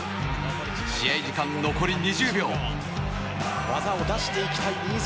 試合時間残り２０秒。